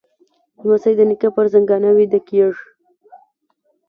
لمسی د نیکه پر زنګانه ویده کېږي.